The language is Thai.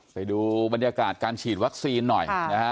ไปดูบรรยากาศการฉีดวัคซีนหน่อยนะฮะ